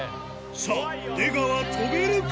さぁ出川飛べるか？